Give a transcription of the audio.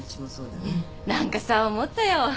何かさ思ったよ。